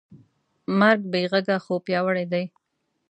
مرګ بېغږه خو پیاوړی دی.